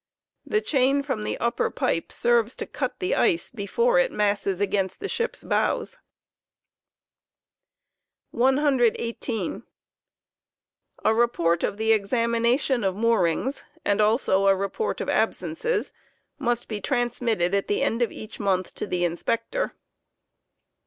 The chain from the upper pipe serves to cut the ice before it masses against the ship's bows. 118. A report of the examination of moorings, and also a report of absences, must Report of be transmitted at the end* of each month to the Inspector.